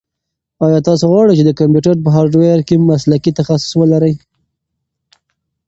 ایا تاسو غواړئ چې د کمپیوټر په هارډویر کې مسلکي تخصص ولرئ؟